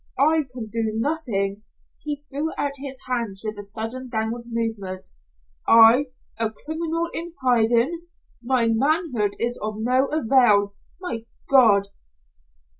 "I can do nothing." He threw out his hands with a sudden downward movement. "I, a criminal in hiding! My manhood is of no avail! My God!"